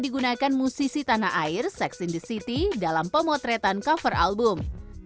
digunakan musisi tanah air sex in the city dalam pemotretan cover album